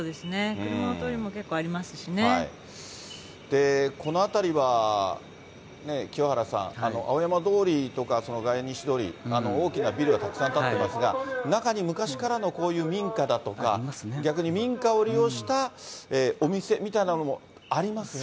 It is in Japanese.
車の通りも結構この辺りはね、清原さん、青山通りとか、外苑西通り、大きなビルがたくさん建ってますが、中に、昔からのこういう民家だとか、逆に民家を利用したお店みたいなもの、ありますよね。